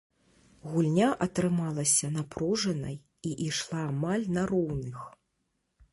Гульня атрымалася напружанай і ішла амаль на роўных.